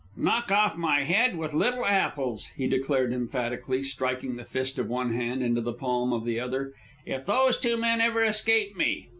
"Knock off my head with little apples," he declared emphatically, striking the fist of one hand into the palm of the other, "if those two men ever escape me!